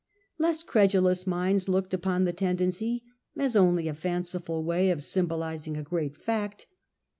Less credulous minds looked upon the tendency tioiSbing ^ fanciful way of symbolizing a tendency»or great fact.